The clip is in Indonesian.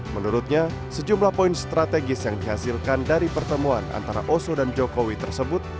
menurutnya sejumlah poin strategis yang dihasilkan dari pertemuan antara oso dan jokowi tersebut